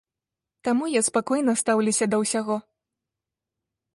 Таму я спакойна стаўлюся да ўсяго.